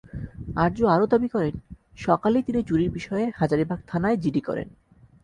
আরজু আরও দাবি করেন, সকালেই তিনি চুরির বিষয়ে হাজারীবাগ থানায় জিডি করেন।